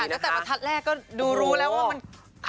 คืออ่านตั้งแต่วันทัศน์แรกก็ดูรู้แล้วว่ามันอับรอบ